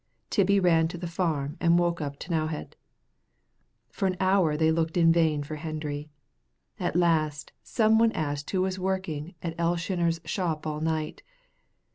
Tibbie ran to the farm and woke up T'nowhead. For an hour they looked in vain for Hendry. At last some one asked who was working in Elshioner's shop all night.